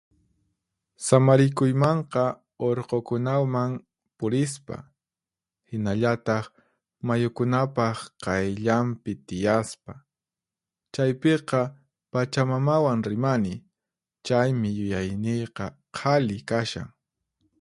Samarikuymanqa urqukunaman purispa, hinallataq mayukunapaq qayllanpi tiyaspa. Chaypiqa pachamamawan rimani, chaymi yuyayniyqa qhali kashan.